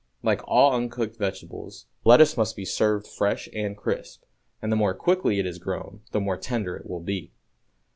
Like all uncooked vegetables, lettuce must be served fresh and crisp, and the more quickly it is grown the more tender it will be.